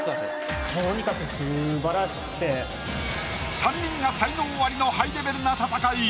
３人が才能アリのハイレベルな戦い。